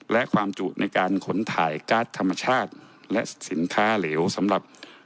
และความจุในการขนถ่ายการ์ดธรรมชาติและสินค้าเหลวสำหรับ